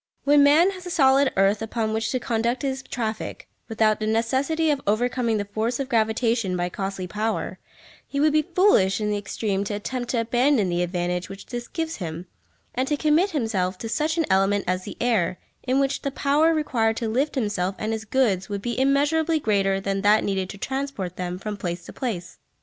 When man has the solid earth upon which to conduct his traffic, without the necessity of overcoming the force of gravitation by costly power, he would be foolish in the extreme to attempt to abandon the advantage which this gives him, and to commit himself to such an element as the air, in which the power required to lift himself and his goods would be immeasurably greater than that needed to transport them from place to place.